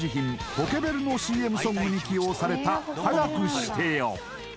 ポケベルのＣＭソングに起用された「早くしてよ」